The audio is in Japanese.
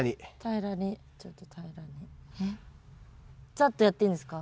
ざっとやっていいんですか？